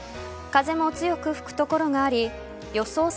風も強く吹く所があり予想